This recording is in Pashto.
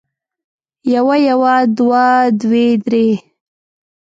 يو يوه دوه دوې درې